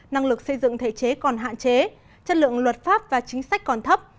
năng lực xây dựng thể chế còn hạn chế chất lượng luật pháp và chính sách còn thấp